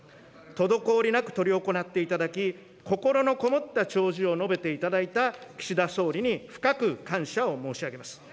滞りなく執り行っていただき、心のこもった弔辞を述べていただいた岸田総理に深く感謝を申し上げます。